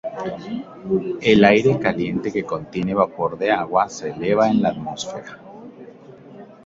El aire caliente que contiene vapor de agua se eleva en la atmósfera.